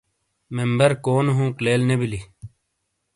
ممبر کونے ہُونک لیل نے بِیلی۔